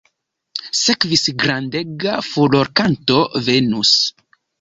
Sekvis grandega furorkanto "Venus".